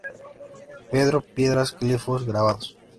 Petro= piedras, glifos= grabados.